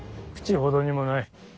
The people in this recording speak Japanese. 口ほどにもない。